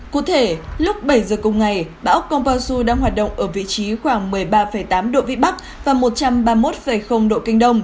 cụ thể lúc bảy giờ cùng ngày bão komposu đang hoạt động ở vị trí khoảng một mươi ba tám độ vĩ bắc và một trăm ba mươi một độ kinh đông